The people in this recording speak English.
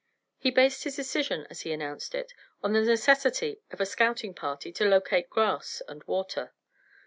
He based his decision, as he announced it, on the necessity of a scouting party to locate grass and water.